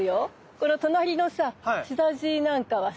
この隣のさスダジイなんかはさ